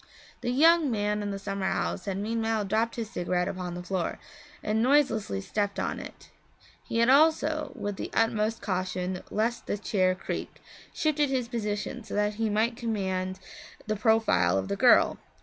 The young man in the summer house had meanwhile dropped his cigarette upon the floor and noiselessly stepped on it. He had also with the utmost caution lest the chair creak shifted his position so that he might command the profile of the girl.